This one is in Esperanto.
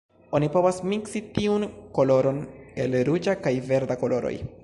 Oni povas miksi tiun koloron el ruĝa kaj verda koloroj.